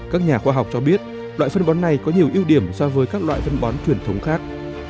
các nhà khoa học cho biết loại phân bón này có nhiều ưu điểm so với các loại phân bón truyền thống khác